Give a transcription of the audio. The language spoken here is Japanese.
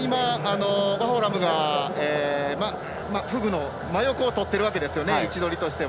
ワホラームがフグの真横を取っているわけですね。